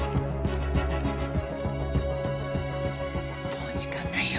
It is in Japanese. もう時間ないよ。